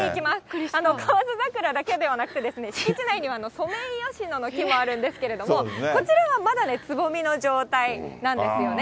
河津桜だけではなくて、敷地内にはソメイヨシノの木もあるんですけれども、こちらは、まだね、つぼみの状態なんですよね。